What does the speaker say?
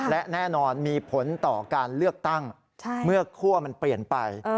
และแน่นอนมีผลต่อการเลือกตั้งเมื่อคั่วมันเปลี่ยนไป